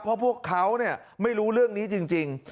เพราะพวกเขาไม่รู้เรื่องนี้จริง